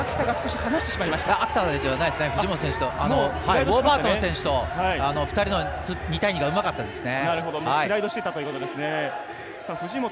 ウォーバートン選手と２人の２対２がうまかったですね。